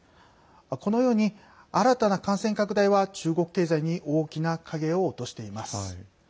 このように、新たな感染拡大は中国経済に大きな影を落としています。